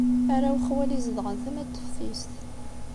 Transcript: Arraw n xwali zedɣen tama n teftist.